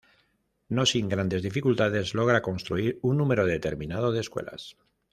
No sin grandes dificultades logra construir un número determinado de escuelas.